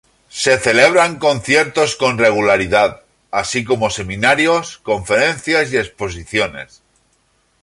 Se celebran conciertos con regularidad, así como seminarios, conferencias y exposiciones.